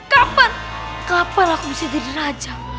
kapan kapal aku bisa jadi raja